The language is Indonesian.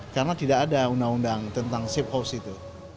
karena tidak ada undang undang tentang safe house itu